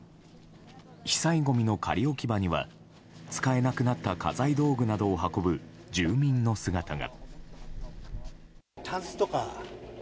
被災ごみの仮置き場には使えなくなった家財道具などを運ぶ、住民の姿が。